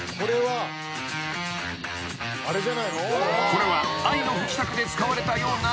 ［これは『愛の不時着』で使われたような］